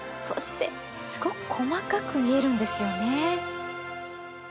そしてすごく細かく見えるんですよね。